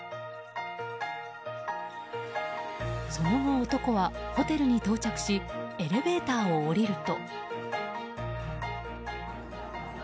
その後、男はホテルに到着しエレベーターを降りると。